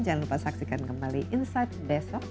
jangan lupa saksikan kembali insight besok